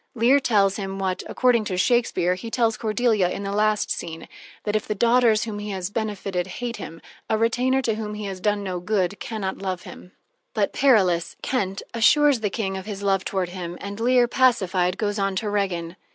Leir tells him what, according to Shakespeare, he tells Cordelia in the last scene, that, if the daughters whom he has benefited hate him, a retainer to whom he has done no good can not love him. But Perillus Kent assures the King of his love toward him, and Leir, pacified, goes on to Regan.